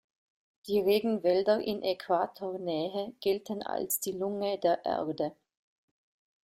Die Regenwälder in Äquatornähe gelten als die Lunge der Erde.